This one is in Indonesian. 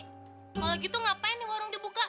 kalau gitu ngapain nih warung dibuka